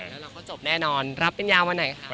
แล้วเราก็จบแน่นอนรับปัญญาวันไหนคะ